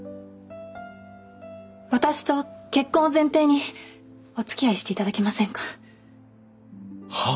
私と結婚を前提におつきあいしていただけませんか？は？